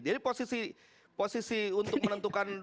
jadi posisi untuk menentukan